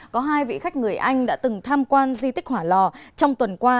có hai vị khách người anh đã từng tham quan di tích hỏa lò trong tuần qua